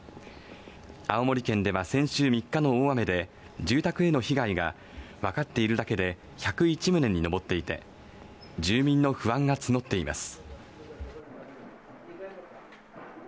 青森県では先週３日の大雨で住宅への被害が分かっているだけで１０１棟に上っていて住民の不安が募っています